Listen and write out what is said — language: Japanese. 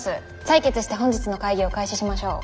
採決して本日の会議を開始しましょう。